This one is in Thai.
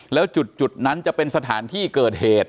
แล้วจุดนั้นจะเป็นสถานที่เกิดเหตุ